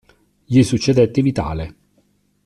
Gli succedette Vitale.